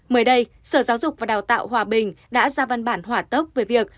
mới đây sở giáo dục và đào tạo hòa bình đã ra văn bản hỏa tốc về việc